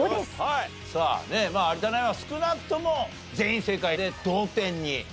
さあ有田ナインは少なくとも全員正解で同点に。